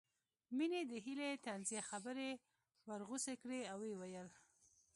مينې د هيلې طنزيه خبرې ورغوڅې کړې او ويې ويل